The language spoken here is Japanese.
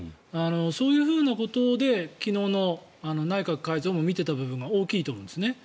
そういうふうなことで昨日の内閣改造も見ていた部分が大きいと思うんですね。